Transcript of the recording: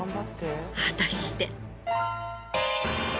果たして。